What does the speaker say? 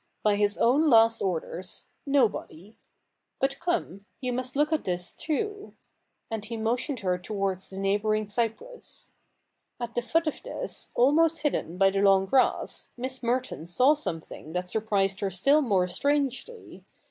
By his own last orders, nobody. But come — you must look at this too.' And he motioned her towards the neighbouring cypress. At the foot of this, almost hidden by the long grass, Miss Merton saw something that surprised her still more strangely.